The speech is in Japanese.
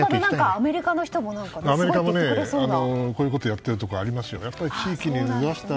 アメリカもこういうことをやっているところ、ありますよ。